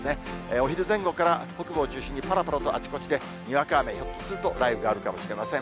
お昼前後から北部を中心にぱらぱらとあちこちでにわか雨、ひょっとすると雷雨があるかもしれません。